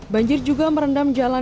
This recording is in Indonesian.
banjir juga merendam jalan